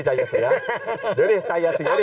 เดี๋ยวดิใจอย่าเสียดิ